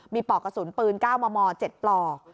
มีปลอกกระสุนปืน๙มม๗ปลอก